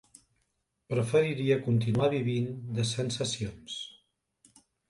Preferiria continuar vivint de sensacions.